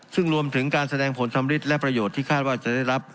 ซึ่งรวมถึงการแสดงผลสำริดและประโยชน์ที่คาดว่าจะได้รับ